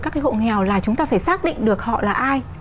các cái hộ nghèo là chúng ta phải xác định được họ là ai